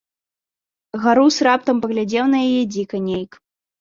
Гарус раптам паглядзеў на яе дзіка нейк.